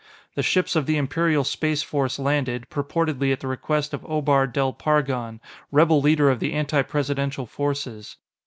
The ships of the Imperial Space Force landed, purportedly at the request of Obar Del Pargon, rebel leader of the anti Presidential forces.